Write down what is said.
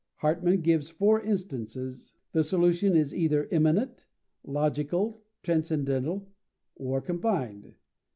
Hartmann gives four instances: the solution is either immanent, logical, transcendental, or combined.